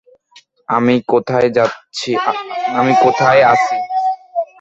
আমি কোথায় আছি?